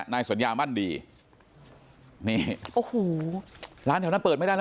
นายสัญญามั่นดีนี่โอ้โหร้านแถวนั้นเปิดไม่ได้แล้ว